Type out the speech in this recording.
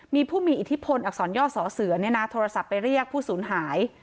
มีผู้มีอิทธิพลอักษรย่อสอเสือโทรศัพท์ไปเรียกผู้สูญหาย